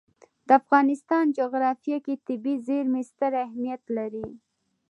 د افغانستان جغرافیه کې طبیعي زیرمې ستر اهمیت لري.